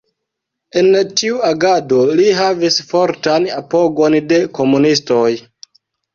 En tiu agado li havis fortan apogon de komunistoj.